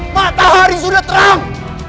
matahari sudah terang